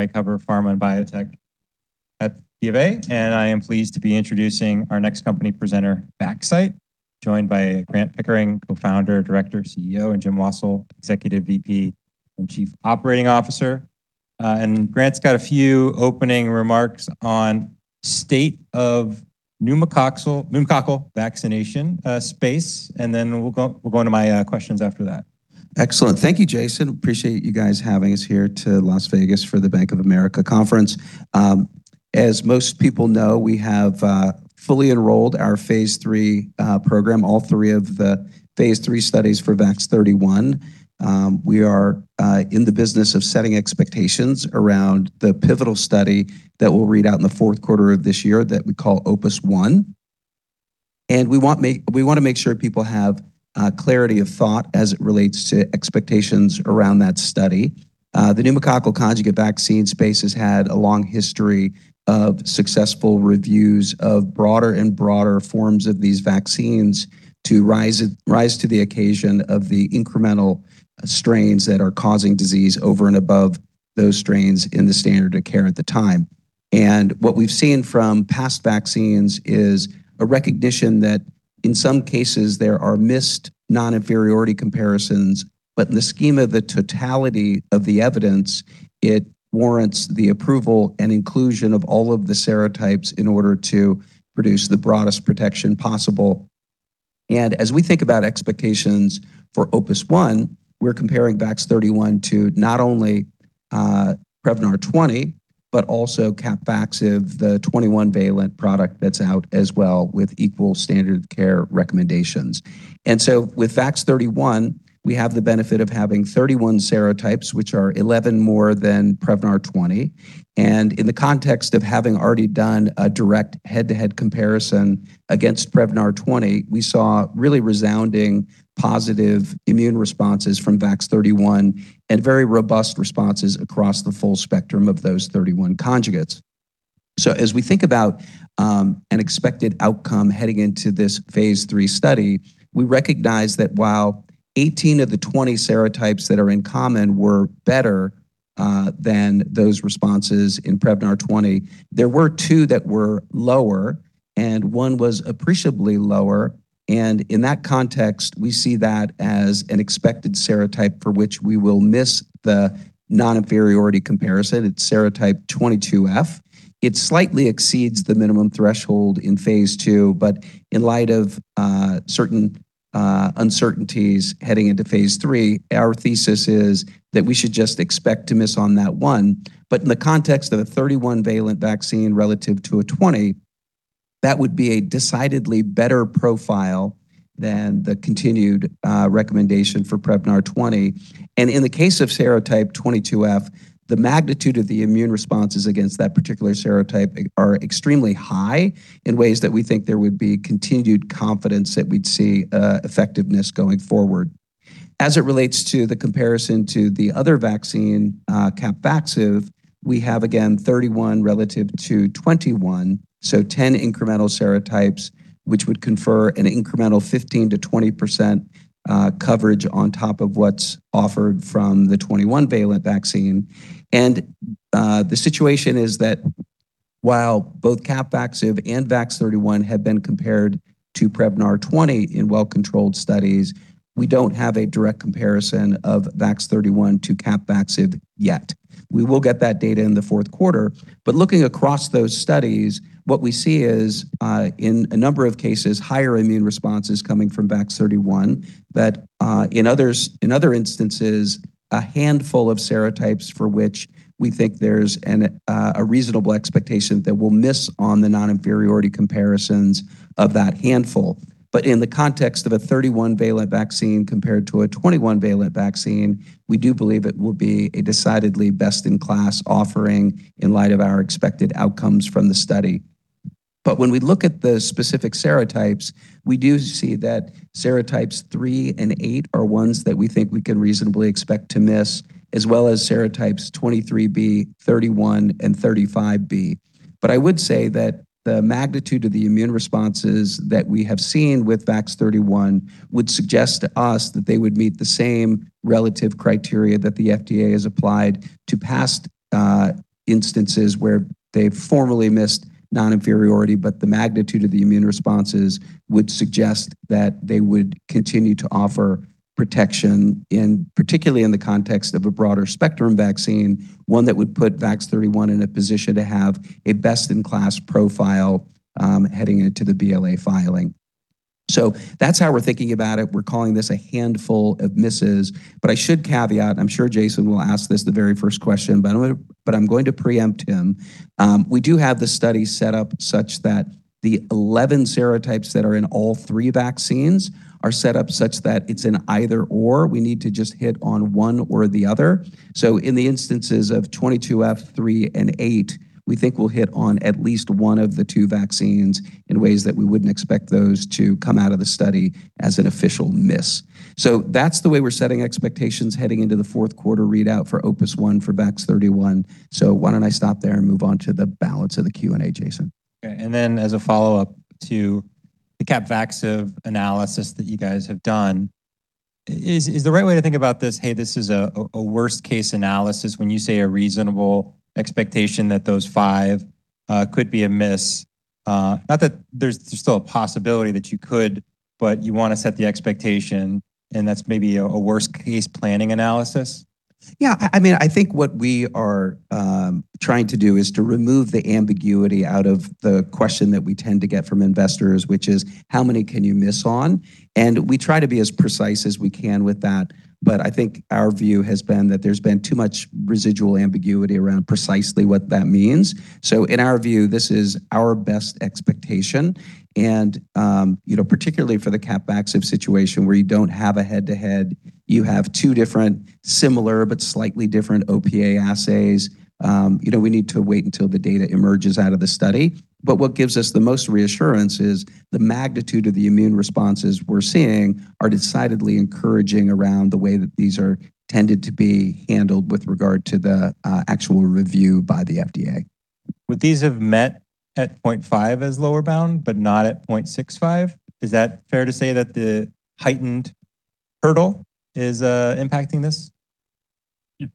I cover pharma and biotech at Bank of America, and I am pleased to be introducing our next company presenter, Vaxcyte, joined by Grant Pickering, co-founder, director, CEO, and Jim Wassil, Executive VP and Chief Operating Officer. Grant's got a few opening remarks on state of pneumococcal vaccination space, then we'll go into my questions after that. Excellent. Thank you, Jason. Appreciate you guys having us here to Las Vegas for the Bank of America Conference. As most people know, we have fully enrolled our phase III program, all three of the phase III studies for VAX-31. We are in the business of setting expectations around the pivotal study that we'll read out in the fourth quarter of this year that we call OPUS-1. We wanna make sure people have clarity of thought as it relates to expectations around that study. The pneumococcal conjugate vaccine space has had a long history of successful reviews of broader and broader forms of these vaccines to rise to the occasion of the incremental strains that are causing disease over and above those strains in the standard of care at the time. What we've seen from past vaccines is a recognition that in some cases, there are missed non-inferiority comparisons. In the scheme of the totality of the evidence, it warrants the approval and inclusion of all of the serotypes in order to produce the broadest protection possible. As we think about expectations for OPUS-1, we're comparing VAX-31 to not only PREVNAR 20, but also CAPVAXIVE, the 21-valent product that's out as well with equal standard of care recommendations. With VAX-31, we have the benefit of having 31 serotypes, which are 11 more than PREVNAR 20. In the context of having already done a direct head-to-head comparison against PREVNAR 20, we saw really resounding positive immune responses from VAX-31 and very robust responses across the full spectrum of those 31 conjugates. As we think about an expected outcome heading into this phase III study, we recognize that while 18 of the 20 serotypes that are in common were better than those responses in PREVNAR 20, there were two that were lower, and one was appreciably lower. In that context, we see that as an expected serotype for which we will miss the non-inferiority comparison. It's serotype 22F. It slightly exceeds the minimum threshold in phase II, in light of certain uncertainties heading into phase III, our thesis is that we should just expect to miss on that 1. In the context of a 31 valent vaccine relative to a 20, that would be a decidedly better profile than the continued recommendation for PREVNAR 20. In the case of serotype 22F, the magnitude of the immune responses against that particular serotype are extremely high in ways that we think there would be continued confidence that we'd see effectiveness going forward. As it relates to the comparison to the other vaccine, Capvaxive, we have again 31 relative to 21, so 10 incremental serotypes, which would confer an incremental 15%-20% coverage on top of what's offered from the 21 valent vaccine. The situation is that while both Capvaxive and VAX-31 have been compared to PREVNAR 20 in well-controlled studies, we don't have a direct comparison of VAX-31 to Capvaxive yet. We will get that data in the fourth quarter. Looking across those studies, what we see is in a number of cases, higher immune responses coming from VAX-31. In others, in other instances, a handful of serotypes for which we think there's a reasonable expectation that we'll miss on the noninferiority comparisons of that handful. In the context of a 31-valent vaccine compared to a 21-valent vaccine, we do believe it will be a decidedly best-in-class offering in light of our expected outcomes from the study. When we look at the specific serotypes, we do see that serotypes 3 and 8 are ones that we think we can reasonably expect to miss, as well as serotypes 23B, 31, and 35B. I would say that the magnitude of the immune responses that we have seen with VAX-31 would suggest to us that they would meet the same relative criteria that the FDA has applied to past instances where they've formally missed non-inferiority, but the magnitude of the immune responses would suggest that they would continue to offer protection, particularly in the context of a broader spectrum vaccine, one that would put VAX-31 in a position to have a best-in-class profile, heading into the BLA filing. That's how we're thinking about it. We're calling this a handful of misses. I should caveat, I'm sure Jason will ask this the very first question, I'm going to preempt him. We do have the study set up such that the 11 serotypes that are in all three vaccines are set up such that it's an either/or. We need to just hit on one or the other. In the instances of 22F, 3, and 8, we think we'll hit on at least one of the two vaccines in ways that we wouldn't expect those to come out of the study as an official miss. That's the way we're setting expectations heading into the fourth quarter readout for OPUS-1 for VAX-31. Why don't I stop there and move on to the balance of the Q&A, Jason? Okay. As a follow-up to the Capvaxive analysis that you guys have done. Is the right way to think about this, hey, this is a worst case analysis when you say a reasonable expectation that those five could be a miss. Not that there's still a possibility that you could, but you want to set the expectation, and that's maybe a worst case planning analysis. Yeah. What we are trying to do is to remove the ambiguity out of the question that we tend to get from investors, which is how many can you miss on? We try to be as precise as we can with that. Our view has been that there's been too much residual ambiguity around precisely what that means. In our view, this is our best expectation. Particularly for the Capvaxive situation where you don't have a head-to-head, you have two different similar but slightly different OPA assays. We need to wait until the data emerges out of the study. What gives us the most reassurance is the magnitude of the immune responses we're seeing are decidedly encouraging around the way that these are tended to be handled with regard to the actual review by the FDA. Would these have met at 0.5 as lower bound but not at 0.65? Is that fair to say that the heightened hurdle is impacting this? Yeah.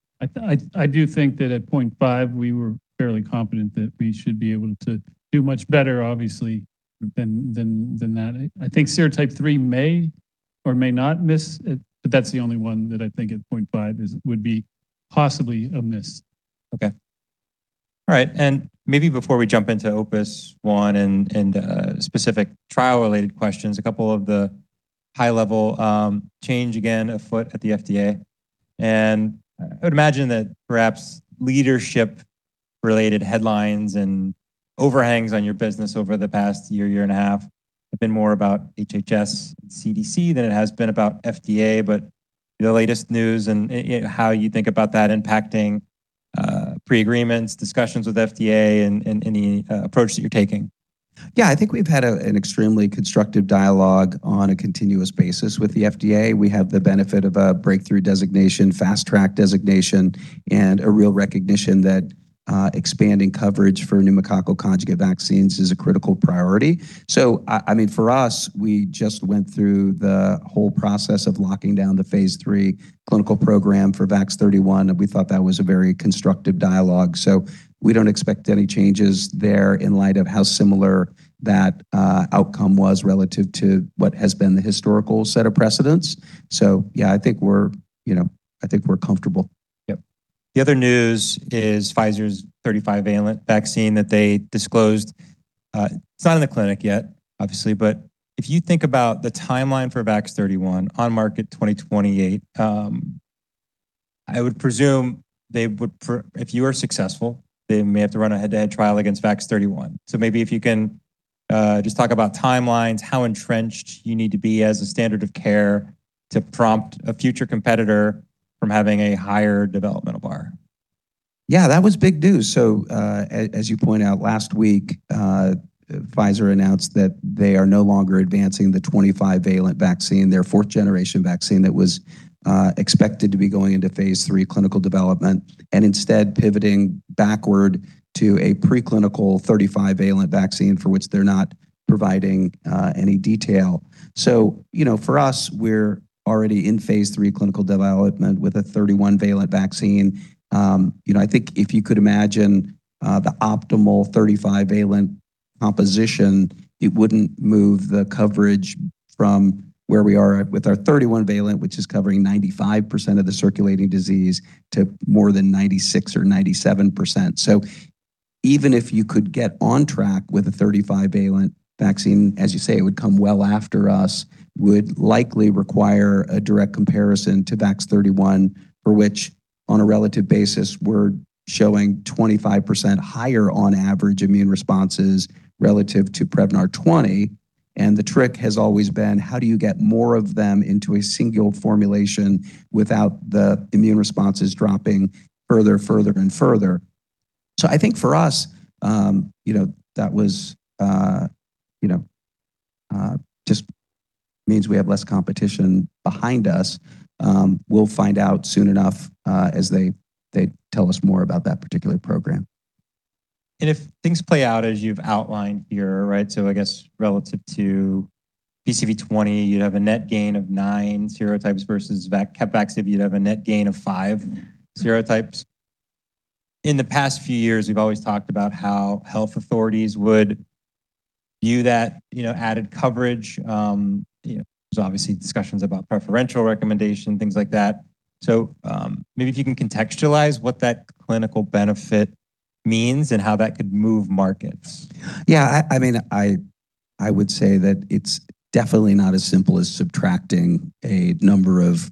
I do think that at 0.5 we were fairly confident that we should be able to do much better obviously than that. Serotype 3 may or may not miss it, but that's the only one that at 0.5 would be possibly a miss. Okay. Alright. Maybe before we jump into OPUS-1 and specific trial-related questions, a couple of the high level change again afoot at the FDA. I would imagine that perhaps leadership-related headlines and overhangs on your business over the past year and a half have been more about HHS and CDC than it has been about FDA. The latest news and how you think about that impacting pre-agreements, discussions with FDA and any approach that you're taking. Yeah. We've had an extremely constructive dialogue on a continuous basis with the FDA. We have the benefit of a breakthrough designation, fast track designation, and a real recognition that expanding coverage for pneumococcal conjugate vaccines is a critical priority. I mean, for us, we just went through the whole process of locking down the phase III clinical program for VAX-31, and we thought that was a very constructive dialogue. We don't expect any changes there in light of how similar that outcome was relative to what has been the historical set of precedents. Yeah, we're comfortable. The other news is Pfizer's 35-valent vaccine that they disclosed. It's not in the clinic yet, obviously, but if you think about the timeline for VAX-31 on market 2028, I would presume they would if you are successful, they may have to run a head-to-head trial against VAX-31. Maybe if you can just talk about timelines, how entrenched you need to be as a standard of care to prompt a future competitor from having a higher developmental bar. Yeah, that was big news. As you point out, last week, Pfizer announced that they are no longer advancing the 25 valent vaccine, their fourth generation vaccine that was expected to be going into phase III clinical development, and instead pivoting backward to a preclinical 35 valent vaccine for which they're not providing any detail. For us, we're already in phase III clinical development with a 31 valent vaccine. If you could imagine the optimal 35 valent composition, it wouldn't move the coverage from where we are at with our 31 valent, which is covering 95% of the circulating disease, to more than 96% or 97%. Even if you could get on track with a 35-valent vaccine, as you say, it would come well after us, would likely require a direct comparison to VAX-31 for which on a relative basis we're showing 25% higher on average immune responses relative to Prevnar 20. The trick has always been how do you get more of them into a single formulation without the immune responses dropping further, and further. For us that was just means we have less competition behind us. We'll find out soon enough, as they tell us more about that particular program. If things play out as you've outlined here, right, so I guess relative to PCV20, you'd have a net gain of 9 serotypes versus Capvaxive, you'd have a net gain of 5 serotypes. There's obviously discussions about preferential recommendation, things like that. Maybe if you can contextualize what that clinical benefit means and how that could move markets. I mean, I would say that it's definitely not as simple as subtracting a number of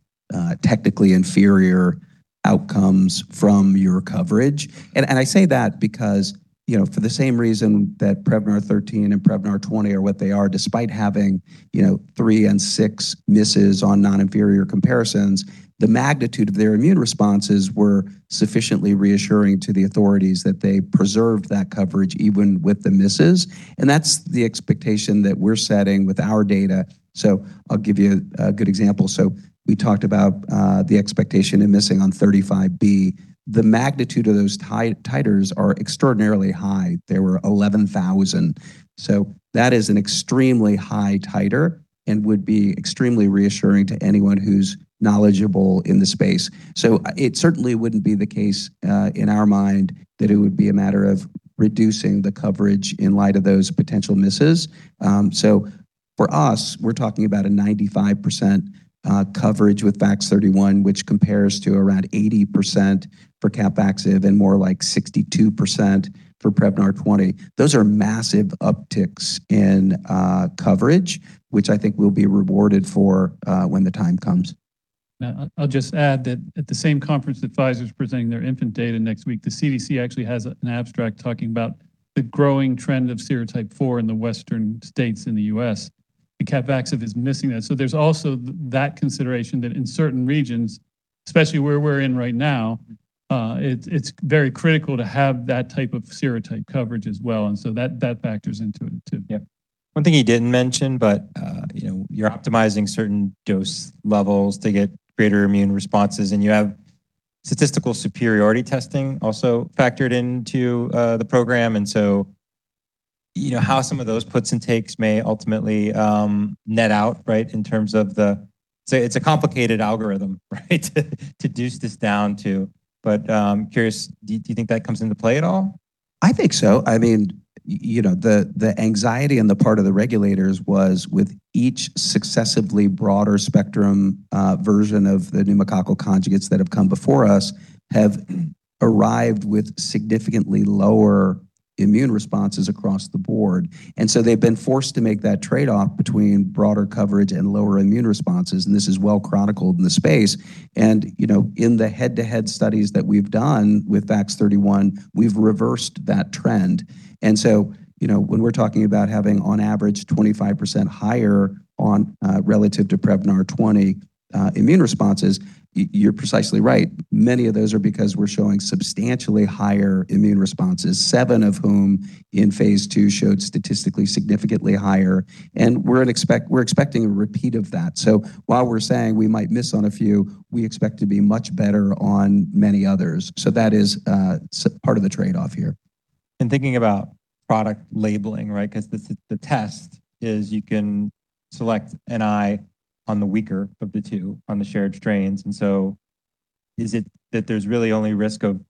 technically inferior outcomes from your coverage. I say that because for the same reason that PREVNAR 13 and PREVNAR 20 are what they are despite having three and six misses on non-inferior comparisons, the magnitude of their immune responses were sufficiently reassuring to the authorities that they preserved that coverage even with the misses. That's the expectation that we're setting with our data. I'll give you a good example. We talked about the expectation in missing on 35B. The magnitude of those titers are extraordinarily high. They were 11,000. That is an extremely high titer and would be extremely reassuring to anyone who's knowledgeable in the space. It certainly wouldn't be the case in our mind that it would be a matter of reducing the coverage in light of those potential misses. For us, we're talking about a 95% coverage with VAX-31, which compares to around 80% for Capvaxive and more like 62% for Prevnar 20. Those are massive upticks in coverage, which we'll be rewarded for when the time comes. Now, I'll just add that at the same conference that Pfizer's presenting their infant data next week, the CDC actually has an abstract talking about the growing trend of serotype 4 in the western states in the U.S. Capvaxive is missing that. There's also that consideration that in certain regions, especially where we're in right now, it's very critical to have that type of serotype coverage as well. That factors into it too. Yeah. One thing you didn't mention, but you're optimizing certain dose levels to get greater immune responses, and you have statistical superiority testing also factored into the program. How some of those puts and takes may ultimately net out, right? It's a complicated algorithm to deduce this down to. Curious, do you think that comes into play at all? The anxiety on the part of the regulators was with each successively broader spectrum version of the pneumococcal conjugates that have come before us have arrived with significantly lower immune responses across the board. They've been forced to make that trade-off between broader coverage and lower immune responses, and this is well chronicled in the space. In the head-to-head studies that we've done with VAX-31, we've reversed that trend. When we're talking about having on average 25% higher on relative to Prevnar 20 immune responses, you're precisely right. Many of those are because we're showing substantially higher immune responses, seven of whom in phase II showed statistically significantly higher. We're expecting a repeat of that. While we're saying we might miss on a few, we expect to be much better on many others. That is part of the trade-off here. Thinking about product labeling, right? 'Cause this is the test, is you can select NI on the weaker of the two on the shared strains. Is it that there's really only risk of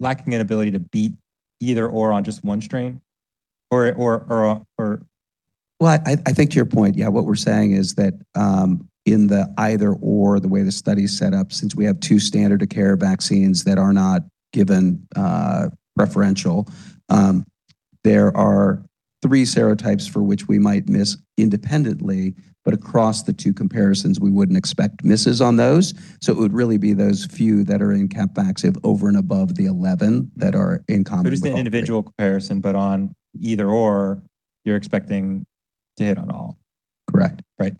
lacking an ability to beat either or on just one strain or? To your point, yeah, what we're saying is that in the either or, the way the study is set up, since we have two standard of care vaccines that are not given preferential, there are three serotypes for which we might miss independently. Across the two comparisons, we wouldn't expect misses on those. It would really be those few that are in Capvaxive over and above the 11 that are in common. It is the individual comparison, but on either or, you're expecting to hit on all. Correct. Right.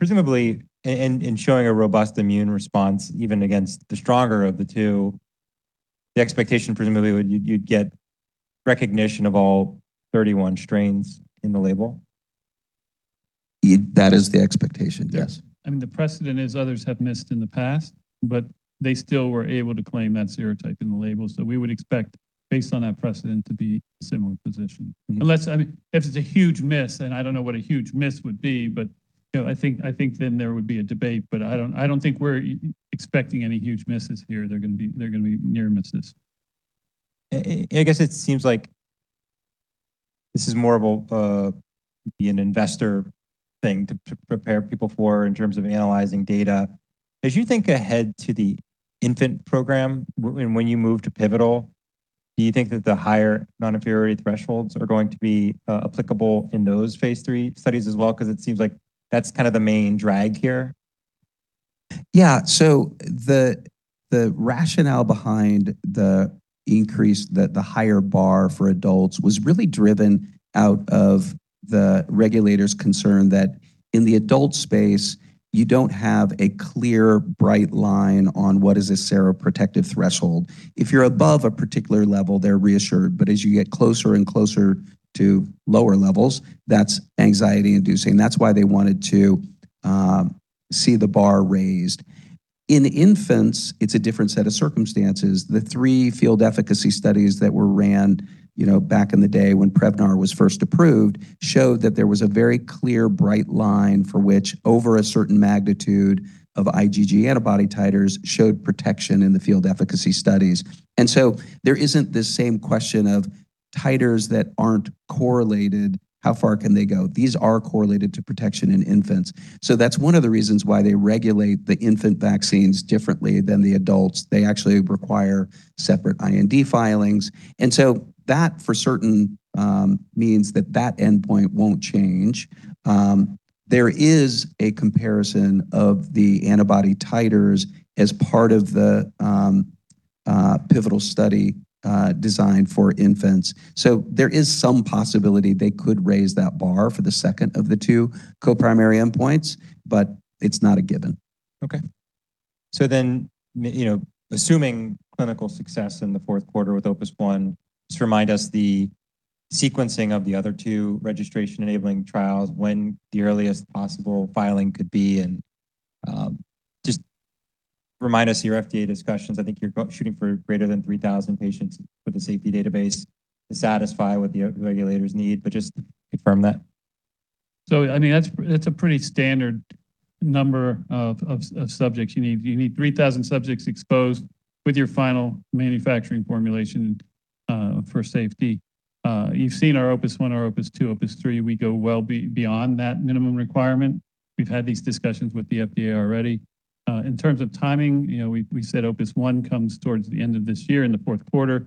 Presumably in showing a robust immune response, even against the stronger of the two, the expectation presumably would you'd get recognition of all 31 strains in the label. That is the expectation, yes. Yeah. The precedent is others have missed in the past. They still were able to claim that serotype in the label. We would expect based on that precedent to be similar position. Unless, if it's a huge miss, and I don't know what a huge miss would be. Then there would be a debate. I don't think we're expecting any huge misses here. They're gonna be near misses. It seems like this is more of a be an investor thing to prepare people for in terms of analyzing data. As you think ahead to the infant program when you move to pivotal, do you think that the higher non-inferiority thresholds are going to be applicable in those phase III studies as well? It seems like that's kind of the main drag here. The rationale behind the increase, the higher bar for adults was really driven out of the regulators' concern that in the adult space, you don't have a clear, bright line on what is a seroprotective threshold. If you're above a particular level, they're reassured, but as you get closer and closer to lower levels, that's anxiety-inducing. That's why they wanted to see the bar raised. In infants, it's a different set of circumstances. The three field efficacy studies that were ran back in the day when Prevnar was first approved, showed that there was a very clear, bright line for which over a certain magnitude of IgG antibody titers showed protection in the field efficacy studies. There isn't this same question of titers that aren't correlated, how far can they go? These are correlated to protection in infants. That's one of the reasons why they regulate the infant vaccines differently than the adults. They actually require separate IND filings. That for certain means that that endpoint won't change. There is a comparison of the antibody titers as part of the pivotal study designed for infants. There is some possibility they could raise that bar for the second of the two co-primary endpoints, but it's not a given. Okay. Assuming clinical success in the fourth quarter with OPUS-1, just remind us the sequencing of the other two registration enabling trials, when the earliest possible filing could be, and just remind us your FDA discussions. You're shooting for greater than 3,000 patients with the safety database to satisfy what the regulators need, but just confirm that. That's a pretty standard number of subjects you need. You need 3,000 subjects exposed with your final manufacturing formulation for safety. You've seen our OPUS-1, our OPUS-2, OPUS-3. We go well beyond that minimum requirement. We've had these discussions with the FDA already. In terms of timing, we said OPUS-1 comes towards the end of this year in the 4th quarter,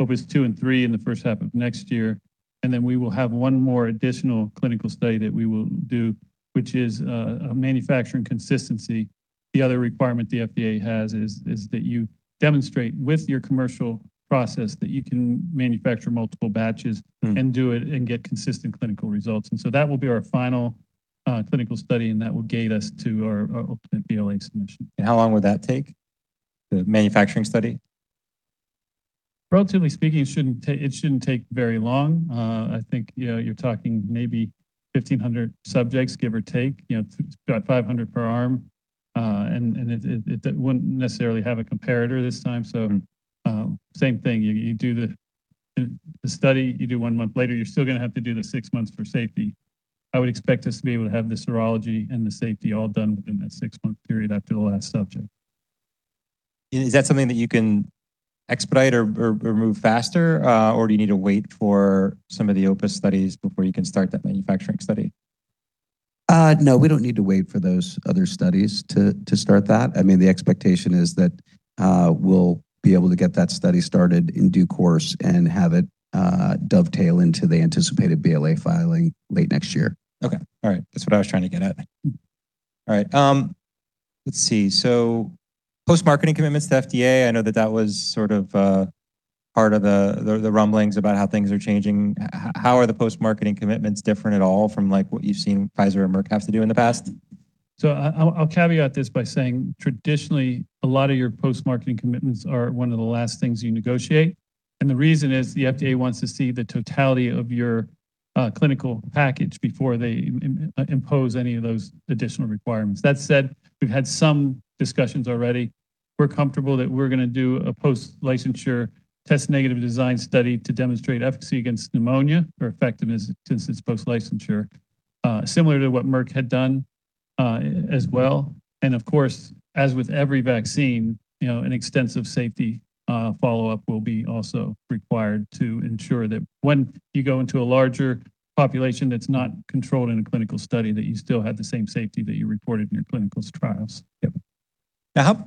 OPUS-2 and 3 in the 1st half of next year, and then we will have one more additional clinical study that we will do, which is a manufacturing consistency. The other requirement the FDA has is that you demonstrate with your commercial process that you can manufacture multiple batches. Do it and get consistent clinical results. That will be our final clinical study, and that will gate us to our ultimate BLA submission. How long would that take, the manufacturing study? Relatively speaking, it shouldn't take very long. You're talking maybe 1,500 subjects, give or take. It's about 500 per arm. It wouldn't necessarily have a comparator this time. Same thing. You do the study, you do one month later, you're still gonna have to do the 6 months for safety. I would expect us to be able to have the serology and the safety all done within that 6-month period after the last subject. Is that something that you can expedite or move faster, or do you need to wait for some of the OPUS studies before you can start that manufacturing study? No, we don't need to wait for those other studies to start that. I mean, the expectation is that we'll be able to get that study started in due course and have it dovetail into the anticipated BLA filing late next year. Okay. Alright. That's what I was trying to get at. All right. Let's see. Post-marketing commitments to FDA, I know that that was part of the rumblings about how things are changing. How are the post-marketing commitments different at all from, like, what you've seen Pfizer and Merck have to do in the past? I'll caveat this by saying traditionally, a lot of your post-marketing commitments are one of the last things you negotiate, and the reason is the FDA wants to see the totality of your clinical package before they impose any of those additional requirements. That said, we've had some discussions already. We're comfortable that we're gonna do a post-licensure test negative design study to demonstrate efficacy against pneumonia or effectiveness since it's post-licensure, similar to what Merck had done as well. Of course, as with every vaccine, an extensive safety follow-up will be also required to ensure that when you go into a larger population that's not controlled in a clinical study, that you still have the same safety that you reported in your clinical trials. Yep.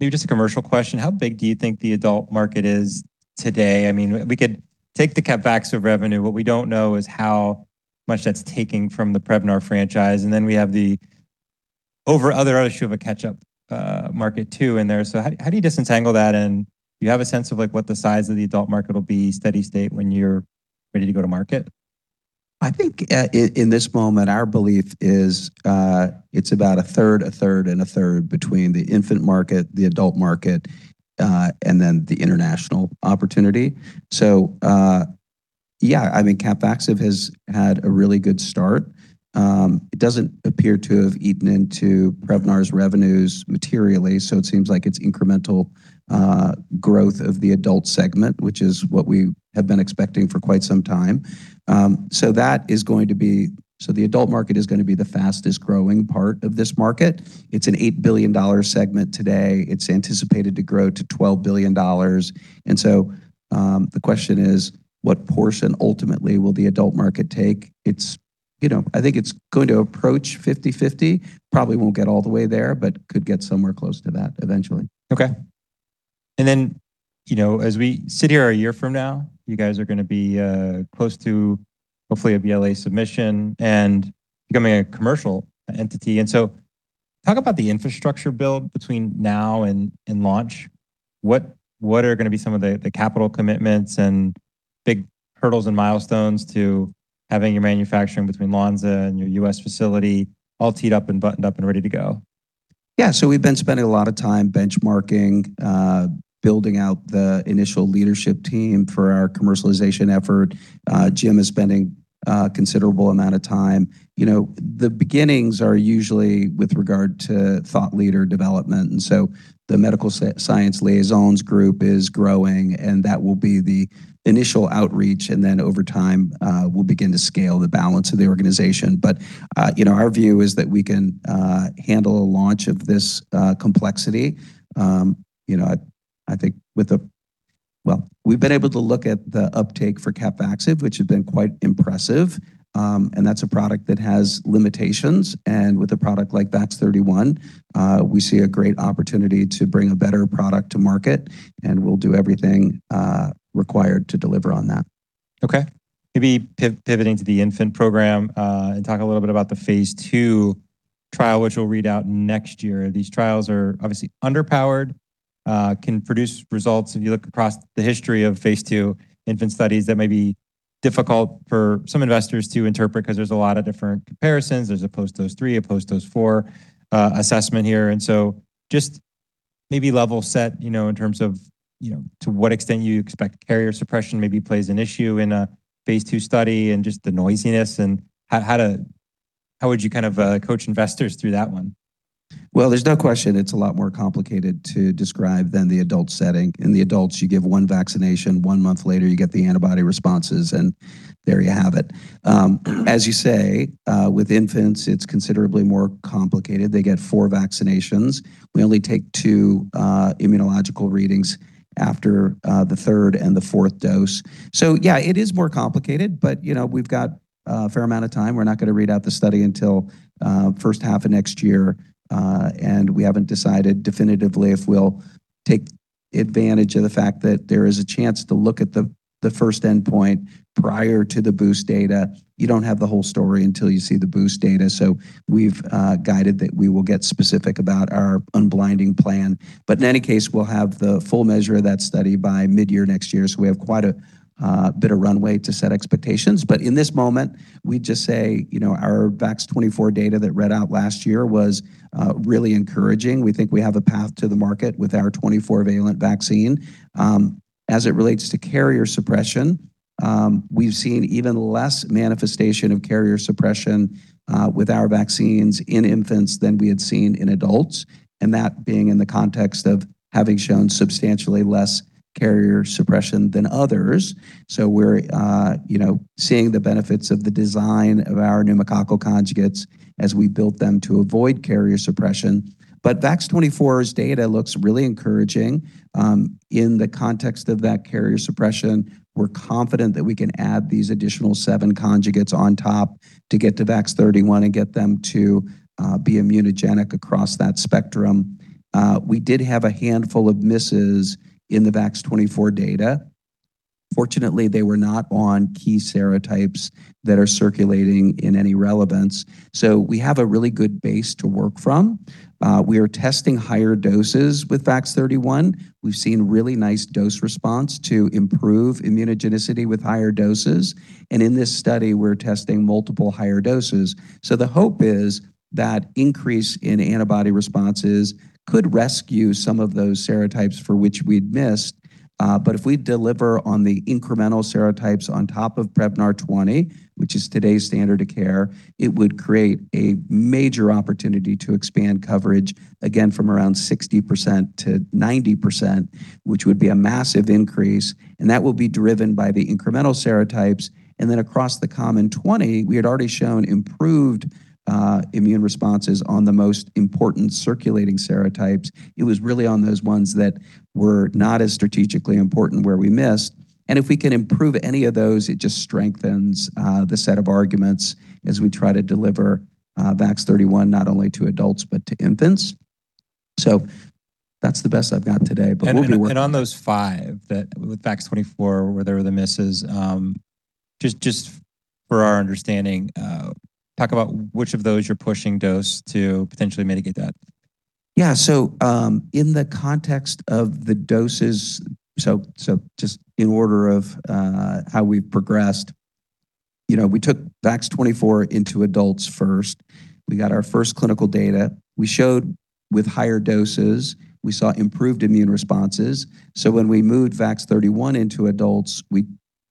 Maybe just a commercial question, how big do you think the adult market is today? I mean, we could take the Capvaxive revenue. What we don't know is how much that's taking from the Prevnar franchise. We have the over other issue of a catch-up market too in there. How do you disentangle that? Do you have a sense of, like, what the size of the adult market will be steady state when you're ready to go to market? In this moment, our belief is, it's about a third, a third, and a third between the infant market, the adult market, and the international opportunity. Yeah, I mean, Capvaxive has had a really good start. It doesn't appear to have eaten into PREVNAR's revenues materially, so it seems like it's incremental growth of the adult segment, which is what we have been expecting for quite some time. The adult market is gonna be the fastest-growing part of this market. It's an $8 billion segment today. It's anticipated to grow to $12 billion. The question is, what portion ultimately will the adult market take? It's going to approach 50/50, probably won't get all the way there, but could get somewhere close to that eventually. Okay. As we sit here a year from now, you guys are gonna be close to hopefully a BLA submission and becoming a commercial entity. Talk about the infrastructure build between now and launch. What are gonna be some of the capital commitments and big hurdles and milestones to having your manufacturing between Lonza and your U.S. facility all teed up and buttoned up and ready to go? Yeah. We've been spending a lot of time benchmarking, building out the initial leadership team for our commercialization effort. Jim is spending a considerable amount of time. The beginnings are usually with regard to thought leader development, the Medical Science Liaisons group is growing, that will be the initial outreach, over time, we'll begin to scale the balance of the organization. Our view is that we can handle a launch of this complexity. We've been able to look at the uptake for Capvaxive, which has been quite impressive. That's a product that has limitations. With a product like VAX-31, we see a great opportunity to bring a better product to market. We'll do everything required to deliver on that. Okay. Maybe pivoting to the infant program and talk a little bit about the phase II trial, which will read out next year. These trials are obviously underpowered, can produce results. If you look across the history of phase II infant studies, that may be difficult for some investors to interpret 'cause there's a lot of different comparisons. There's a post-dose 3, a post-dose 4, assessment here. Just maybe level set in terms of to what extent you expect carrier suppression maybe plays an issue in a phase II study and just the noisiness and how would you kind of coach investors through that one? Well, there's no question it's a lot more complicated to describe than the adult setting. In the adults, you give one vaccination, one month later you get the antibody responses, and there you have it. As you say, with infants, it's considerably more complicated. They get 4 vaccinations. We only take two immunological readings after the third and the fourth dose. Yeah, it is more complicated, but we've got a fair amount of time. We're not gonna read out the study until first half of next year. We haven't decided definitively if we'll take advantage of the fact that there is a chance to look at the first endpoint prior to the boost data. You don't have the whole story until you see the boost data. We've guided that we will get specific about our unblinding plan. In any case, we'll have the full measure of that study by mid-year next year, so we have quite a bit of runway to set expectations. In this moment, we just say, our VAX-24 data that read out last year was really encouraging. We think we have a path to the market with our 24-valent vaccine. As it relates to carrier suppression, we've seen even less manifestation of carrier suppression with our vaccines in infants than we had seen in adults, and that being in the context of having shown substantially less carrier suppression than others. We're seeing the benefits of the design of our pneumococcal conjugates as we built them to avoid carrier suppression. VAX-24's data looks really encouraging in the context of that carrier suppression. We're confident that we can add these additional 7 conjugates on top to get to VAX-31 and get them to be immunogenic across that spectrum. We did have a handful of misses in the VAX-24 data. Fortunately, they were not on key serotypes that are circulating in any relevance, so we have a really good base to work from. We are testing higher doses with VAX-31. We've seen really nice dose response to improve immunogenicity with higher doses. In this study, we're testing multiple higher doses. The hope is that increase in antibody responses could rescue some of those serotypes for which we'd missed. But if we deliver on the incremental serotypes on top of Prevnar 20, which is today's standard of care, it would create a major opportunity to expand coverage again from around 60% to 90%, which would be a massive increase. That will be driven by the incremental serotypes. Across the common 20, we had already shown improved immune responses on the most important circulating serotypes. It was really on those ones that were not as strategically important where we missed. If we can improve any of those, it just strengthens the set of arguments as we try to deliver VAX-31, not only to adults, but to infants. That's the best I've got today, but we'll be working. On those five that with VAX-24, where there were the misses, just for our understanding, talk about which of those you're pushing dose to potentially mitigate that? In the context of the doses, just in order of how we've progressed we took VAX-24 into adults first. We got our first clinical data. We showed with higher doses, we saw improved immune responses. When we moved VAX-31 into adults, we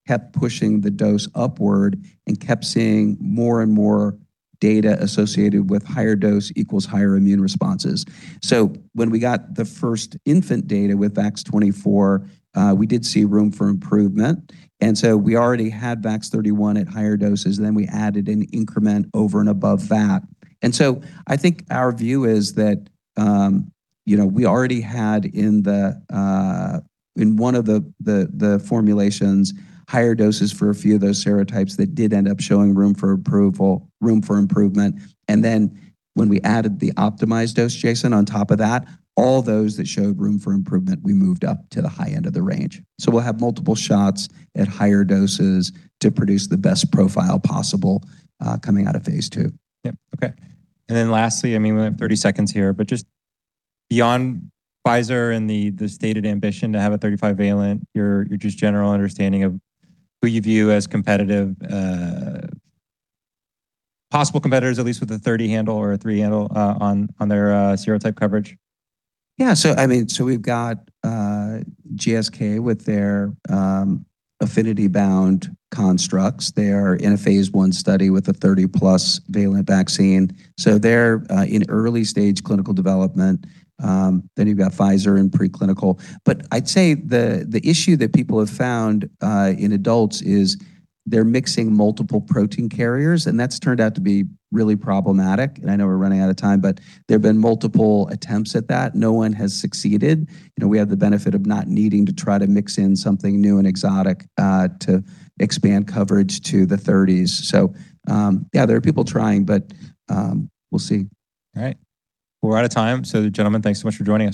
kept pushing the dose upward and kept seeing more and more data associated with higher dose equals higher immune responses. When we got the first infant data with VAX-24, we did see room for improvement, we already had VAX-31 at higher doses, we added an increment over and above that. Our view is that we already had in one of the formulations, higher doses for a few of those serotypes that did end up showing room for improvement. When we added the optimized dose, Jason, on top of that, all those that showed room for improvement, we moved up to the high end of the range. We'll have multiple shots at higher doses to produce the best profile possible, coming out of phase II. Okay. Lastly, we have 30 seconds here, just beyond Pfizer and the stated ambition to have a 35-valent, your just general understanding of who you view as competitive, possible competitors at least with a 30 handle or a three handle on their serotype coverage. We've got GSK with their affinity bound constructs. They are in a phase I study with a 30-plus valent vaccine. They are in early stage clinical development. You've got Pfizer in preclinical. I'd say the issue that people have found in adults is they're mixing multiple protein carriers. That's turned out to be really problematic. I know we're running out of time. There have been multiple attempts at that. No one has succeeded. We have the benefit of not needing to try to mix in something new and exotic to expand coverage to the 30s. There are people trying. We'll see. Alright. We're out of time. Gentlemen, thank you so much for joining us.